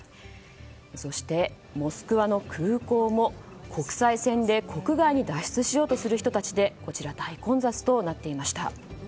そしてモスクワの空港も国際線で国外に脱出しようとする人たちで大混雑となっていました。